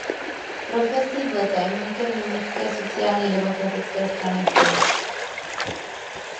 Profesí byl tajemníkem německé sociálně demokratické strany v Brně.